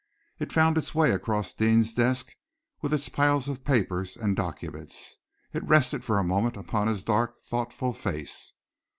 It found its way across Deane's desk, with its piles of papers and documents. It rested for a moment upon his dark, thoughtful face.